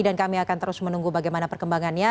dan kami akan terus menunggu bagaimana perkembangannya